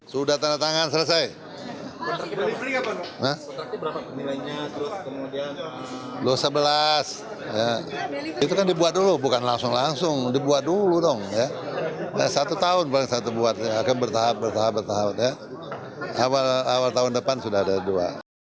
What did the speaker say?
satu tahun paling satu buatnya akan bertahap bertahap awal tahun depan sudah ada dua